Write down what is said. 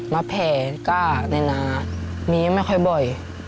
แผ่ก้าในนามีไม่ค่อยบ่อย